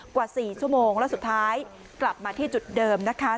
กว่า๔ชั่วโมงแล้วสุดท้ายกลับมาที่จุดเดิมนะคะ